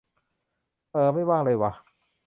เออ ไม่ว่างเลยว่ะ